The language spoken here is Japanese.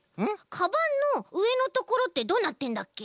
かばんのうえのところってどうなってるんだっけ？